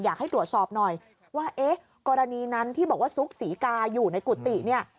อยากให้ตรวจสอบหน่อยว่าเอ๊ะกรณีนั้นที่บอกว่าซุกศรีกาอยู่ในกุฏิเนี่ย